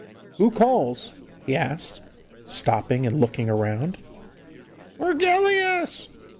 'Who calls?' he asked, stopping and looking round. 'Virgilius!